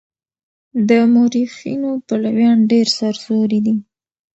د مورخينو پلويان ډېر سرزوري دي.